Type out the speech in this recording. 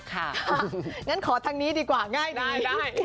ก่อนวันนั้นมันที่ศึกษาก่อนที่จะมาร่วมภูมิก็เช้านั้นตื่นใส่บาตร